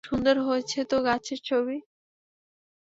সুন্দর হয়েছে তো গাছের ছবি!